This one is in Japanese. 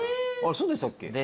そうでしたっけ。